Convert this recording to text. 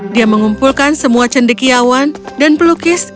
dia mengumpulkan semua cendekiawan dan pelukis